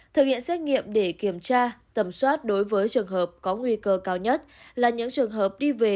thực hiện xét nghiệm để kiểm tra tầm soát đối với trường hợp có nguy cơ cao nhất là những trường hợp đi về